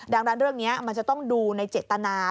ดังนั้นเรื่องนี้มันจะต้องดูในเจตนา